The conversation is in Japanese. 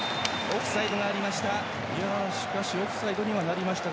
オフサイドがありました。